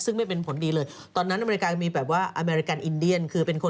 ซึ่งไม่เป็นผลดีเลย